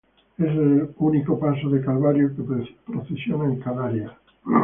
Es el único paso de calvario que procesiona en Canarias.